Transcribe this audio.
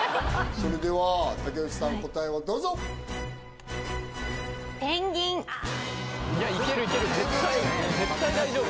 それでは竹内さん答えをどうぞペンギンいけるいける絶対大丈夫